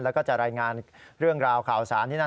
แล้วก็จะรายงานเรื่องราวข่าวสารที่นั่น